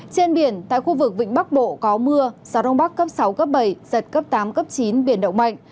trên biển tại khu vực vịnh bắc bộ có mưa gió đông bắc cấp sáu cấp bảy giật cấp tám cấp chín biển động mạnh